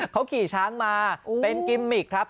เขาขี่ช้างมาเป็นกิมมิกครับ